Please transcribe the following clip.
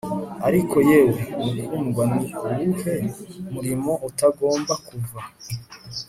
Ariko yewe mukundwa ni uwuhe murimo utagomba kuva